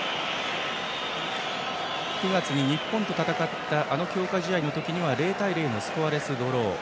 ９月に日本と戦った強化試合の時には０対０のスコアレスドロー。